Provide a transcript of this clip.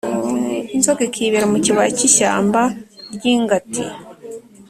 inzoka ikibera mu kibaya cy'ishyamba ry'ingati